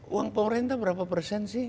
uang pemerintah berapa persen sih